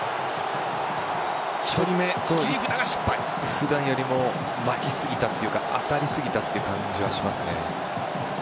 普段よりも巻きすぎたというか当たりすぎたという感じがしますね。